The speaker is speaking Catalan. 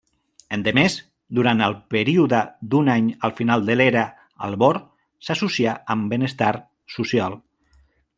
Endemés, durant el període d'un any al final de l'era Albor, s'associà amb Benestar social.